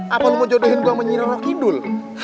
apa lu mau jodohin gua sama nyirang rakidul